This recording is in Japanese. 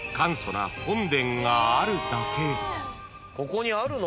ここにあるの？